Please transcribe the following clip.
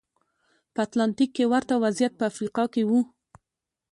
په اتلانتیک کې ورته وضعیت په افریقا کې و.